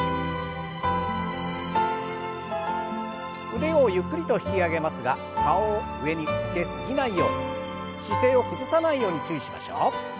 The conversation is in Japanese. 腕をゆっくりと引き上げますが顔を上に向け過ぎないように姿勢を崩さないように注意しましょう。